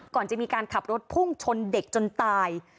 ก่อนจะมีการขับรถพุ่งชนเด็กจนตาย